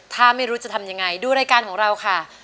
ถ้าไม่รู้จะทำยังไงดูรายการของเราค่ะ